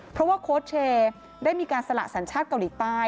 เพราะว่าโค้ชเชย์ได้มีการสละสัญชาติเกาหลีใต้